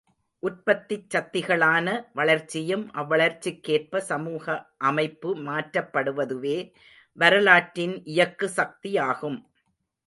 உற்பத்திச் சக்திகளின் வளர்ச்சியும், அவ்வளர்ச்சிக்கேற்ப, சமூக அமைப்பு மாற்றப்படுவதுவே வரலாற்றின் இயக்கு சக்தியாகும்.